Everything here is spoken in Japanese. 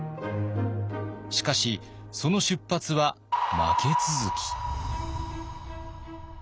しかしその出発は負け続き。